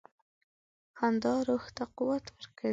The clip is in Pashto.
• خندا روح ته قوت ورکوي.